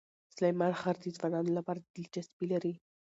سلیمان غر د ځوانانو لپاره دلچسپي لري.